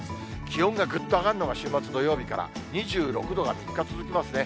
気温がぐっと上がるのが、週末土曜日から、２６度が３日続きますね。